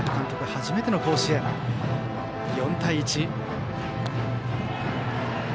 初めての甲子園、４対１。